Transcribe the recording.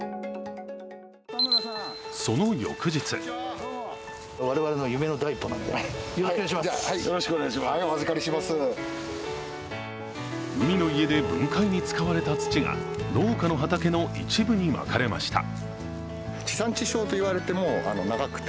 その翌日海の家で分解に使われた土が農家の畑の一部にまかれました。